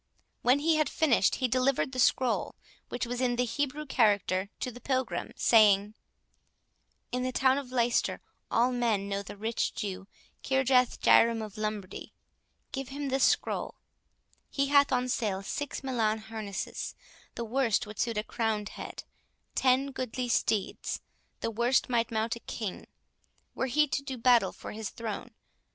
When he had finished, he delivered the scroll, which was in the Hebrew character, to the Pilgrim, saying, "In the town of Leicester all men know the rich Jew, Kirjath Jairam of Lombardy; give him this scroll—he hath on sale six Milan harnesses, the worst would suit a crowned head—ten goodly steeds, the worst might mount a king, were he to do battle for his throne.